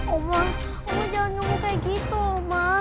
oma kamu jangan nyumuk kayak gitu lho oma